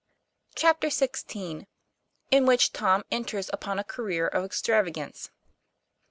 CHAPTER XVI. IN WHICH TOM ENTERS UPON A CAREER OF EXTRAVA GANCE.